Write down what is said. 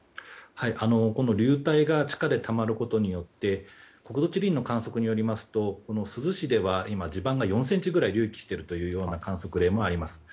この流体が地下でたまることによって国土地理院の観測によりますとこの珠洲市では今、地盤が４ｃｍぐらい隆起しているという観測例もあります。